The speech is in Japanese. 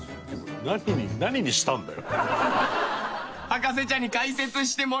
何に何にしたんだよ。